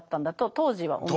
当時は。